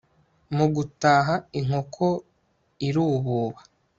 mu gutaha inkoko irububa